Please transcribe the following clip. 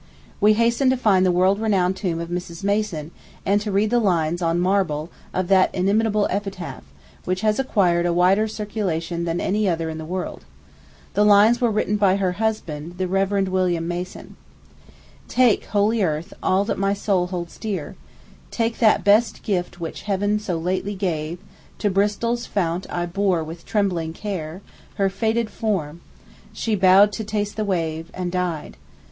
We hastened to find the world renowned tomb of Mrs. Mason, and to read the lines on marble of that inimitable epitaph, which has acquired a wider circulation than any other in the world. The lines were written by her husband, the Rev. William Mason. "Take, holy earth, all that my soul holds dear; Take that best gift which Heaven so lately gave. To Bristol's fount I bore with trembling care Her faded form; she bowed to taste the wave, And died.